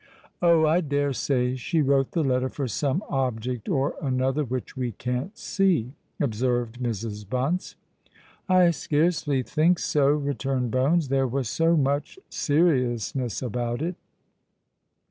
"Oh! I dare say she wrote the letter for some object or another which we can't see," observed Mrs. Bunce. "I scarcely think so," returned Bones: "there was so much seriousness about it."